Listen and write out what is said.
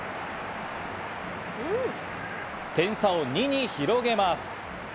点差を２に広げます。